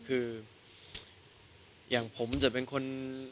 คืออย่างผมจะเป็นคน